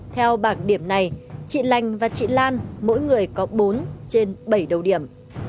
theo bảng điểm này chị lành và chị lan mỗi người có bốn trên bảy đầu điểm